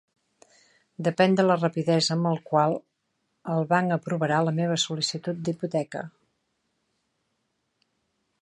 Depèn de la rapidesa amb el qual el banc aprovarà la meva sol·licitud d'hipoteca.